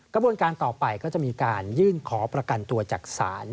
กระบวนการต่อไปก็จะมีการยื่นขอประกันตัวจากศาล